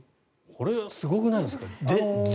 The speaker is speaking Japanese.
これ、すごくないですか？